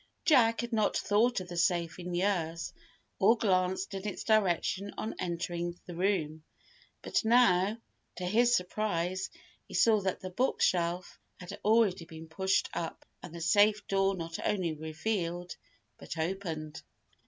Jack had not thought of the safe in years, or glanced in its direction on entering the room; but now, to his surprise, he saw that the bookshelf had already been pushed up, and the safe door not only revealed, but opened.